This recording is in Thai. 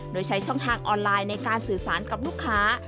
โดยใช้ช่องทางออนไลน์ในการสื่อสารกับลูกค้า